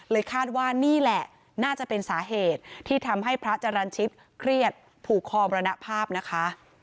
คาดว่านี่แหละน่าจะเป็นสาเหตุที่ทำให้พระจรรย์ชิตเครียดผูกคอมรณภาพนะคะ